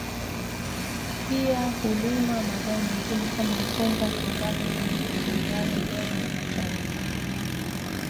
Pia hulima mazao mengine kama mpunga tumbaku mahindi viazi dengu na matunda